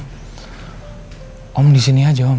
pak di sini saja pak